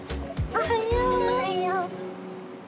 おはよう！